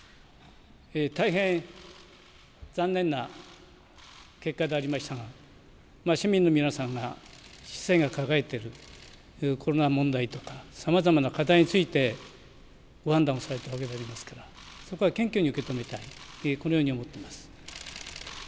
大変残念な結果でありましたが、市民の皆さんが市政抱えているコロナ問題とかさまざまな課題についてご判断をされたわけでありますからそこは謙虚に受け止めたいこのように思っています。